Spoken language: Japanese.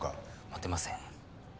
待てません。